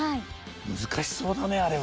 難しそうだねあれは。